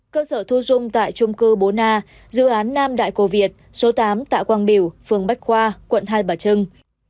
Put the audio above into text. cơ sở thu dung tại trung cư bốn a dự án nam đại cô việt số tám tạ quang biểu phường bách khoa quận hai bà trưng